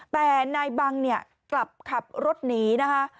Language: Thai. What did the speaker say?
แต่นายบังกลับขับรถหนีนะฮะ